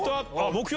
目標？